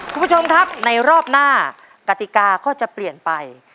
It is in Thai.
คุณผู้ชมครับในรอบหน้ากติกาก็จะเปลี่ยนไป